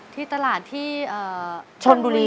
ที่ตลาดที่ชนบุรี